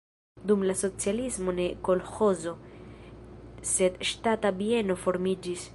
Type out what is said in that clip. Dum la socialismo ne kolĥozo, sed ŝtata bieno formiĝis.